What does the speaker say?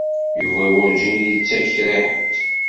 Yuba werǧin i yettak kra i ḥedd.